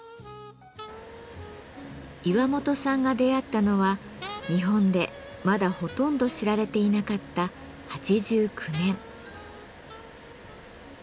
岩本さんが出会ったのは日本でまだほとんど知られていなかった８９年。